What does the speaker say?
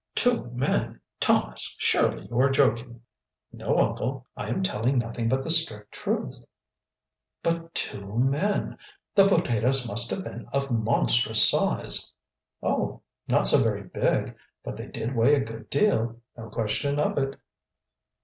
"Two men? Thomas, surely you are joking." "No, uncle, I am telling nothing but the strict truth." "But two men! The potatoes must have been of monstrous size!" "Oh, not so very big. But they did weigh a good deal, no question of it."